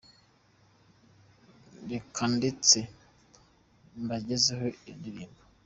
Reka ndetse mbagezeho iyo ndirimbo :